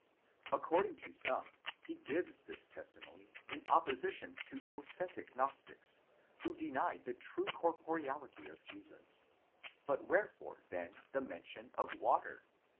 According to some, he gives this testimony in opposition to docetic Gnostics, who denied the true corporeality of Jesus:* but wherefore then the mention of the wafer?